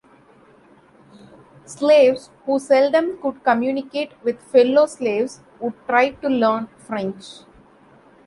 Slaves who seldom could communicate with fellow slaves would try to learn French.